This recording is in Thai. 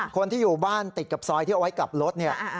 คนที่อยู่บ้านติดกับซอยที่เอาไว้กลับรถเนี่ย